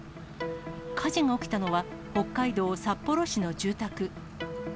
火事が起きたのは、北海道札幌市の住宅。